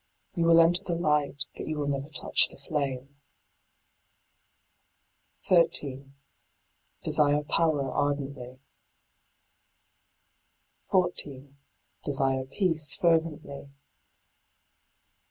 You will enter the light, but you will never touch the flame. 13. Desire power ardently. i4« Desire peace fervently.